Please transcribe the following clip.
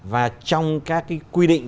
và trong các quy định